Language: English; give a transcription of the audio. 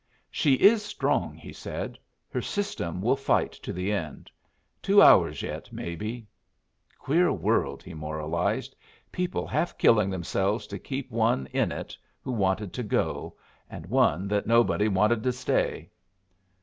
"She is strong," he said. "Her system will fight to the end. Two hours yet, maybe. Queer world!" he moralized. "People half killing themselves to keep one in it who wanted to go and one that nobody wanted to stay!"